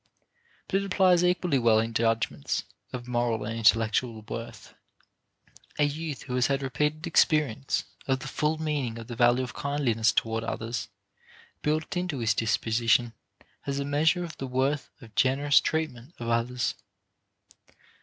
But it applies equally well in judgments of moral and intellectual worth. A youth who has had repeated experience of the full meaning of the value of kindliness toward others built into his disposition has a measure of the worth of generous treatment of others.